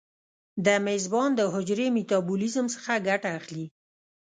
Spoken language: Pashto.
د میزبان د حجرې میتابولیزم څخه ګټه اخلي.